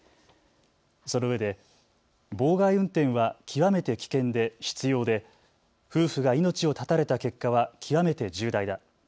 そのうえで妨害運転は極めて危険で執ようで夫婦が命を絶たれた結果は極めて重大だ。